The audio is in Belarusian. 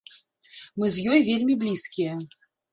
Мы з ёй вельмі блізкія.